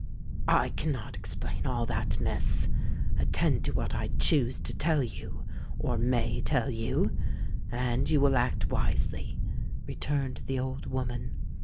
"I cannot explain all that, Miss: attend to what I choose to tell you—or may tell you—and you will act wisely," returned the old woman.